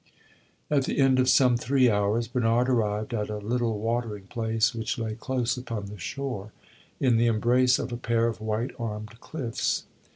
At the end of some three hours, Bernard arrived at a little watering place which lay close upon the shore, in the embrace of a pair of white armed cliffs.